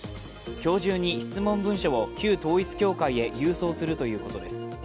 今日中に質問文書を旧統一教会へ郵送するということです。